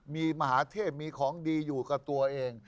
มีมหาเทพมีของดีอยู่กับตัวเอง